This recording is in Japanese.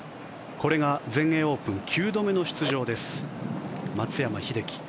これが全英オープン９度目の出場です松山英樹